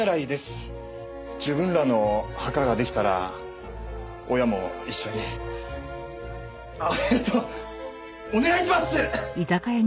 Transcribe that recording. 自分らの墓が出来たら親も一緒にあっえっとお願いします！